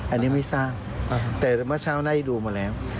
อันนี้ไม่ทราบแต่เมื่อเช้าได้ดูมาแล้ว